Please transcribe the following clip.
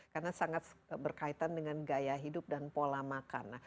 karena sangat berkaitan dengan gaya hidup dan pola makan